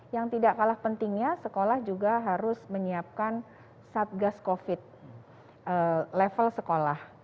yang tidak kalah pentingnya sekolah juga harus menyiapkan satgas covid level sekolah